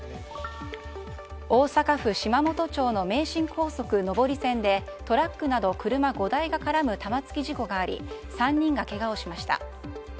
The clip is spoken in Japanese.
大阪府島本町の名神高速上り線でトラックなど車が５台が絡む玉突き事故があり３人がけがをしました。